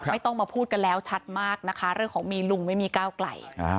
ไม่ต้องมาพูดกันแล้วชัดมากนะคะเรื่องของมีลุงไม่มีก้าวไกล